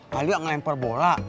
kali itu ngelempar bola